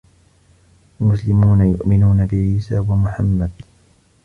المسلمون يؤمنون بعيسى و محمّد.